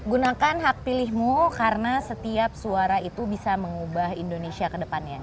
gunakan hak pilihmu karena setiap suara itu bisa mengubah indonesia ke depannya